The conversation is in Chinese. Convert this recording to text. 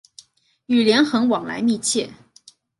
与连横往来密切。